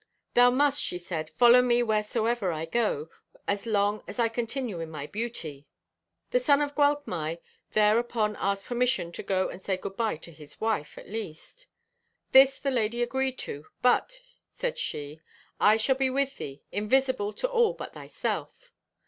'Thou must,' she said, 'follow me wheresoever I go, as long as I continue in my beauty.' The son of Gwalchmai thereupon asked permission to go and say good bye to his wife, at least. This the lady agreed to; 'but,' said she, 'I shall be with thee, invisible to all but thyself.'